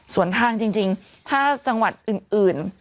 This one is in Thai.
ส่วนทางจริงถ้าจังหวัดอื่น